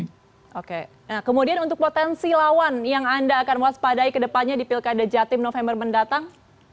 oke nah kemudian untuk potensi lawan yang anda akan waspadai ke depannya di pilkada jatim november mendatang